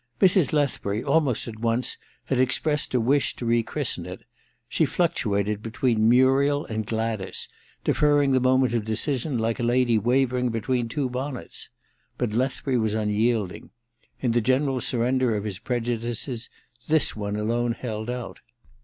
Mrs. Lethbury, almost at once, had expressed a wish to rechristen it : she fluctuated between Muriel and Gladys, deferring the moment of decision like a lady waverinc between two bonnets. But Lethbury was unyielding. In the general surrender of h^ prejudices this one alone neld out.